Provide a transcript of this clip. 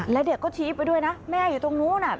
แล้วเด็กก็ชี้ไปด้วยนะแม่อยู่ตรงนู้นน่ะ